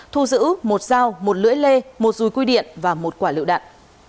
thu giữ một dao một lưỡi lê một rùi quy điện và một quả lựu đạn